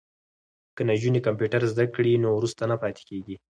که نجونې کمپیوټر زده کړی نو وروسته نه پاتې کیږي.